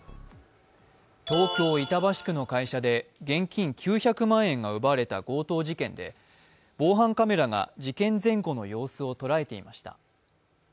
東京・板橋区の会社で現金９００万円が奪われた強盗事件で防犯カメラが事件前後の様子を捉えていました。